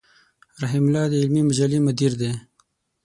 رحيم الله د علمي مجلې مدير دی.